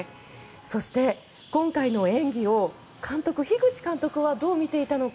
そして、今回の演技を樋口監督はどう見ていたのか。